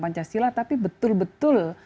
pancasila tapi betul betul